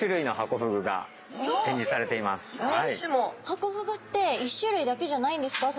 ハコフグって１種類だけじゃないんですか？